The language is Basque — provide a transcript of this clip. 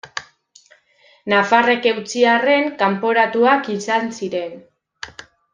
Nafarrek eutsi arren, kanporatuak izan ziren.